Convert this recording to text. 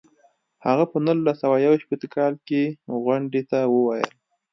هغه په نولس سوه یو شپیته کال کې غونډې ته وویل.